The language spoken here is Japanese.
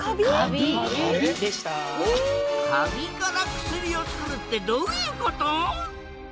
カビから薬をつくるってどういうこと？